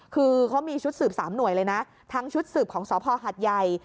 คือเขามีชุดสืบ๓หน่วยเลยนะทั้งชุดสืบของสภหัดใหญ่